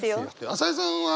朝井さんは？